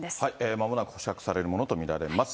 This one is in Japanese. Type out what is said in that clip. まもなく保釈されるものと見られます。